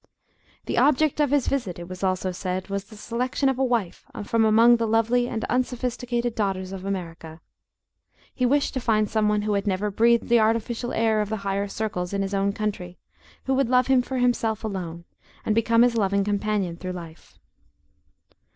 The object of his visit, it was also said, was the selection of a wife from among the lovely and unsophisticated daughters of America. He wished to find some one who had never breathed the artificial air of the higher circles in his own country; who would love him for himself alone, and become his loving companion through life.